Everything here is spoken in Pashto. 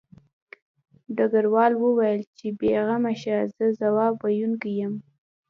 ډګروال وویل چې بې غمه شه زه ځواب ویونکی یم